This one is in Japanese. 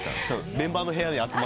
メンバーの部屋に集まって。